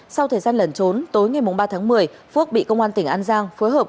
sau thời gian lẩn trốn tối ngày ba tháng một mươi phước bị công an tỉnh an giang phối hợp